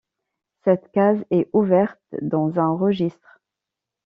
Cette case est ouverte dans un registre.